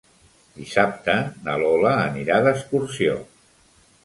Dissabte na Lola anirà d'excursió.